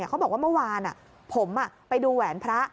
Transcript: เขาบอกว่าเมื่อวานผมไปดูแหวนพระ